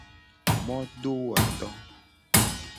Modowoto.